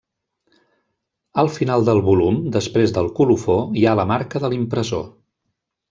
Al final del volum, després del colofó, hi ha la marca de l'impressor.